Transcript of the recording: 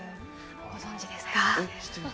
ご存じですか？